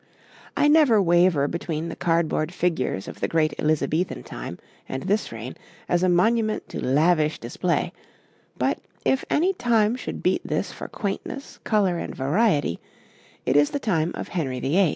I never waver between the cardboard figures of the great Elizabethan time and this reign as a monument to lavish display, but if any time should beat this for quaintness, colour, and variety, it is the time of Henry VIII.